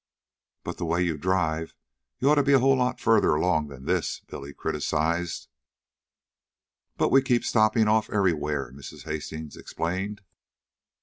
"But the way you drive you oughta be a whole lot further along than this," Billy criticized. "But we keep stopping off everywhere," Mrs. Hastings explained.